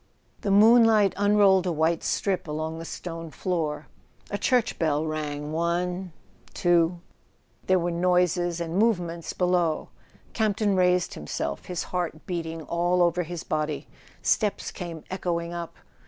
The moonlight unrolled a white strip along the stone floor. A church bell rang one ... two ... there were noises and movements below. Campton raised himself, his heart beating all over his body. Steps came echoing up.